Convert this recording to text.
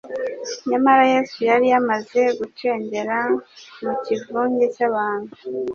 nyamara Yesu yari yamaze gucengera mu kivunge cy’abantu.